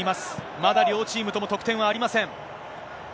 まだ両チームとも得点はありません。